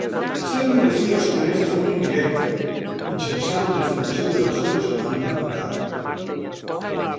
La seva biografia es coneix de forma indirecta, mitjançant la informació de persones emparentades.